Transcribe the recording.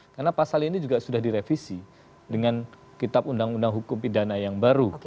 karena pasal ini juga sudah direvisi dengan kitab undang undang hukum pidana yang baru